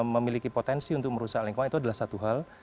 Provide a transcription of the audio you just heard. memiliki potensi untuk merusak lingkungan itu adalah satu hal